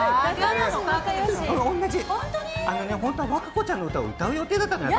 本当は和歌子ちゃんの歌を歌う予定だったのよ、私。